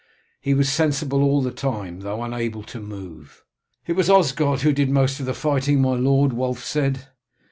He was sensible all the time, though unable to move." "It was Osgod who did most of the fighting, my lord," Wulf said.